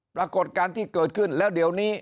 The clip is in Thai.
ปรากฏการณ์ที่เกิดขึ้นแล้วเดี๋ยวนี้